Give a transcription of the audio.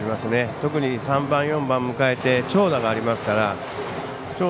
特に３番、４番を迎えて長打がありますから。